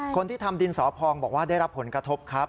คนที่ทำดินสอพองบอกว่าได้รับผลกระทบครับ